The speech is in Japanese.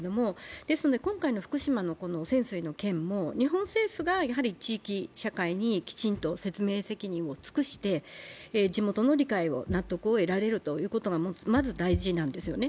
ですので今回の福島の汚染水の件も、日本政府が地域社会にきちんと説明責任を尽くして地元の理解を、納得を得られるというのがまず大事なんですね。